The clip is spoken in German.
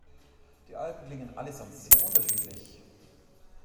Die Alben klingen allesamt sehr unterschiedlich.